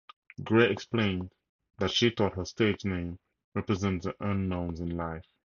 Grey explained that she thought her stage name represents the unknowns in life.